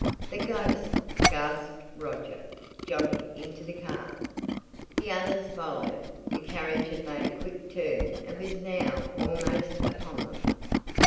"The ghost!" gasped Roger, jumping into the car. The others followed. The carriage had made a quick turn and was now almost upon them.